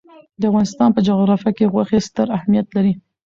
د افغانستان په جغرافیه کې غوښې ستر اهمیت لري.